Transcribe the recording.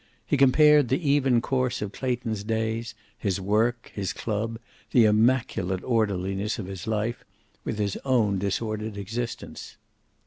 He compared the even course of Clayton's days, his work, his club, the immaculate orderliness of his life, with his own disordered existence.